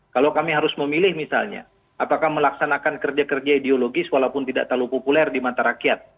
kalau kami harus memilih misalnya apakah melaksanakan kerja kerja ideologis walaupun tidak terlalu populer di mata rakyat